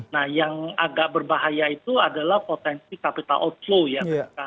nah yang agak berbahaya itu adalah potensi capital outflow ya